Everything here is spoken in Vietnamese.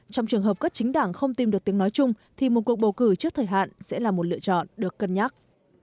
trong trường hợp các chính đảng không tìm được tiếng nói chung thì một cuộc bầu cử trước thời hạn sẽ là một lựa chọn được cân nhắc